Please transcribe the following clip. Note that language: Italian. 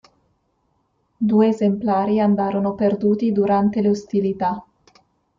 Due esemplari andarono perduti durante le ostilità.